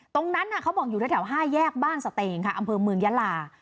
เขาบอกอยู่แถว๕แยกบ้านสเตงค่ะอำเภอเมืองยาลา